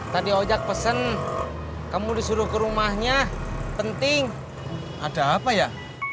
tadi ojak pesen kamu disuruh ke rumahnya penting ada apa ya